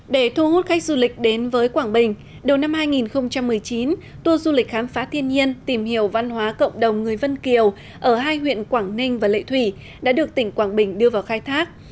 để thu hút khách du lịch đến với quảng bình đầu năm hai nghìn một mươi chín tour du lịch khám phá thiên nhiên tìm hiểu văn hóa cộng đồng người vân kiều ở hai huyện quảng ninh và lệ thủy đã được tỉnh quảng bình đưa vào khai thác